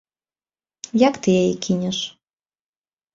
Як ты яе кінеш!